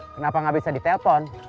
kenapa gak bisa di telpon